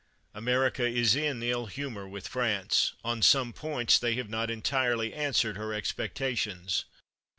Amer ica is in ill humor with France ; on some points they have not entirely answered her expectations.